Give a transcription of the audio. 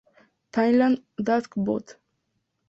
Thailand; Dansk Bot.